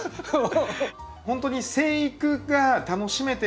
本当に生育が楽しめてるなあって。